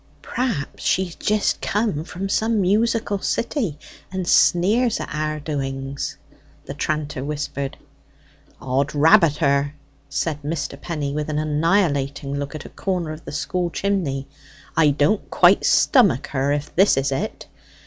"Perhaps she's jist come from some musical city, and sneers at our doings?" the tranter whispered. "'Od rabbit her!" said Mr. Penny, with an annihilating look at a corner of the school chimney, "I don't quite stomach her, if this is it.